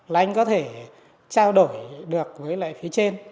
là anh có thể trao đổi được với lại phía trên